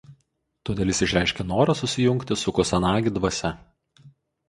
Todėl jis išreiškia norą susijungti su Kusanagi dvasia.